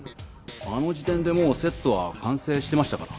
あの時点でもうセットは完成してましたから。